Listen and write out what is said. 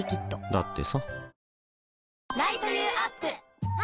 だってさあ！